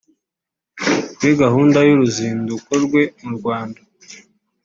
Kuri gahunda y’uruzinduko rwe mu Rwanda